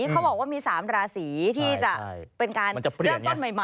เขาบอกว่ามี๓ราศีที่จะเป็นการเริ่มต้นใหม่